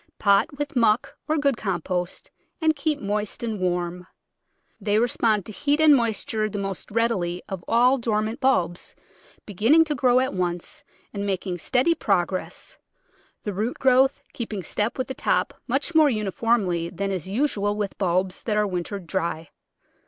Pot with muck or good compost and keep moist and warm. They respond to heat and moist ure the most readily of all dormant bulbs, beginning to grow at once and making steady progress, the root growth keeping step with the top much more uniformly than is usual with bulbs that are wintered dry.